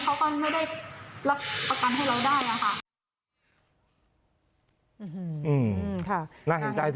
เขาก็ไม่ได้รับประกันให้เราได้อะค่ะ